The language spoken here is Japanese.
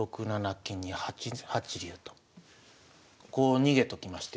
金に８八竜とこう逃げときまして。